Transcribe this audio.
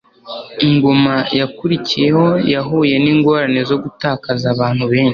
Ingoma yakurikiyeho yahuye n'ingorane zo gutakaza abantu benshi